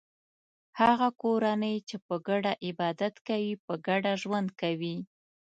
هغه کورنۍ چې په ګډه عبادت کوي په ګډه ژوند کوي.